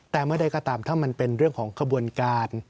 แต่เมื่อใดก็ตามถ้ามันเป็นเรื่องของขบวนการ